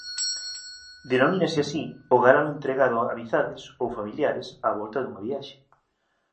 Denomínase así o galano entregado a amizades ou familiares á volta dunha viaxe.